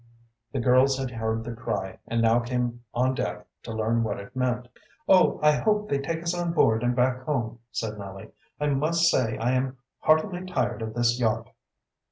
The girls had heard the cry, and now came on deck to learn what it meant. "Oh, I hope they take us on board and back home," said Nellie. "I must say I am heartily tired of this yacht."